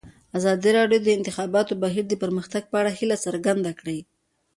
ازادي راډیو د د انتخاباتو بهیر د پرمختګ په اړه هیله څرګنده کړې.